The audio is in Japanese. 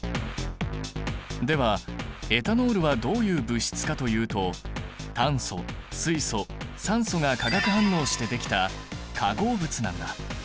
ではエタノールはどういう物質かというと炭素水素酸素が化学反応してできた化合物なんだ。